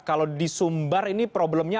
kalau di sumbar ini problemnya